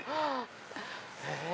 へぇ！